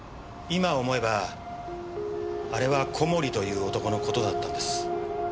今思えばあれは小森という男の事だったんです。